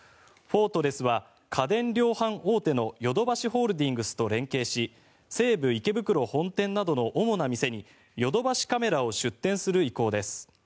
フォートレスは家電量販店大手のヨドバシホールディングスと連携し西武池袋本店などの主な店にヨドバシカメラを出店する意向です。